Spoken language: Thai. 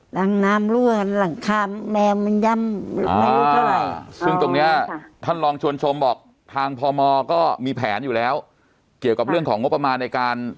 หลังน้ำลั่วหลังคาแมวมันย่ำไม่รู้เท่าไหร่